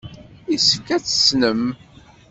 Yessefk ad t-tessnem.